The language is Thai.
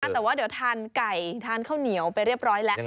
แต่ว่าเดี๋ยวทานไก่ทานข้าวเหนียวไปเรียบร้อยแล้ว